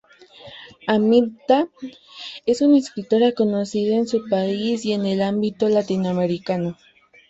Aminta es una escritora conocida en su país y en el ámbito latinoamericano.